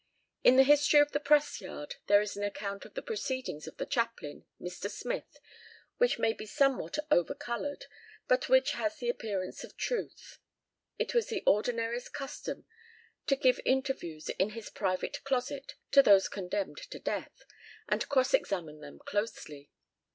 In the history of the press yard there is an account of the proceedings of the chaplain, Mr. Smith, which may be somewhat over coloured, but which has the appearance of truth. It was the ordinary's custom to give interviews in his private closet to those condemned to death, and cross examine them closely.